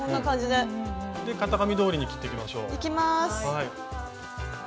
で型紙どおりに切ってきましょう。いきます。